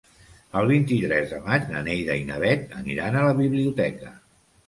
El vint-i-tres de maig na Neida i na Bet aniran a la biblioteca.